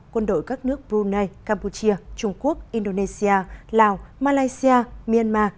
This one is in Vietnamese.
quân đội các nước brunei campuchia trung quốc indonesia lào malaysia myanmar